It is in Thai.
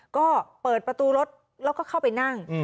ก็เปิดประตูรถแล้วก็เข้าไปนั่ง